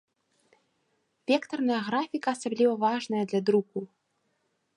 Вектарная графіка асабліва важная для друку.